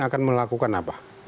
yang akan melakukan apa